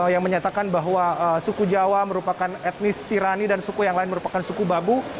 yang menyatakan bahwa suku jawa merupakan etnis tirani dan suku yang lain merupakan suku babu